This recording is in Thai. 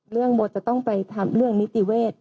เรื่องโบว์จะต้องไปทำเรื่องนิติเวช